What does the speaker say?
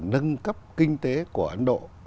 nâng cấp kinh tế của ấn độ